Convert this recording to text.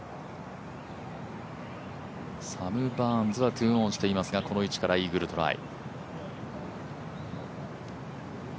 サム・バーンズは２オンしていますがこの位置からイーグルトライ。